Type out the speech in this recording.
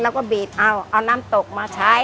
อ๋อให้มันนิ่ม